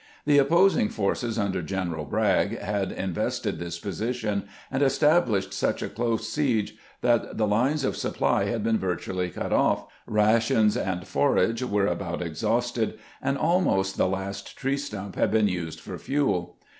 The opposing forces, under General Bragg, had invested this position, and established such a close siege that the lines of supply had been virtually cut off, rations CONFEKENCE AT THOMAS'S HEADQUAETERS 3 and forage were about exhausted, and almost the last tree stump had been used for fuel.